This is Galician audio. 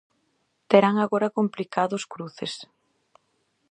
Terán agora complicados cruces.